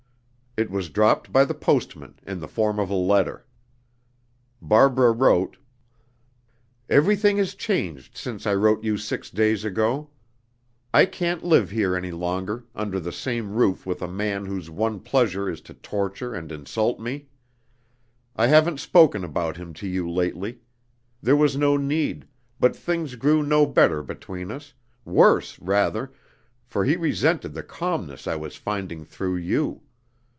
It was dropped by the postman, in the form of a letter. Barbara wrote, "Everything is changed since I wrote you six days ago. I can't live here any longer, under the same roof with a man whose one pleasure is to torture and insult me. I haven't spoken about him to you lately. There was no need, but things grew no better between us worse, rather, for he resented the calmness I was finding through you.